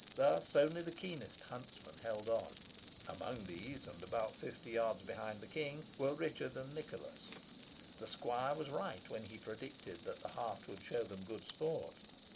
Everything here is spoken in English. Thus only the keenest huntsmen held on. Amongst these, and about fifty yards behind the King, were Richard and Nicholas. The squire was right when he predicted that the hart would show them good sport.